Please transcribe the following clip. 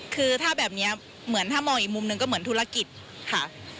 คือถ้าแบบนี้เหมือนถ้ามองอีกมุมหนึ่งก็เหมือนธุรกิจค่ะ